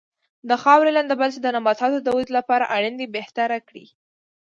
د خاورې لنده بل چې د نباتاتو د ودې لپاره اړین دی بهتره کړي.